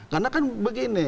karena kan begini